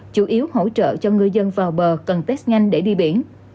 chủ yếu hỗ trợ cho ngư dân vào bờ cần test nhanh để đi biển